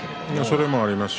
それもありますね。